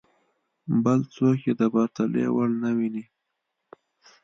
بل څوک یې د پرتلې وړ نه ویني.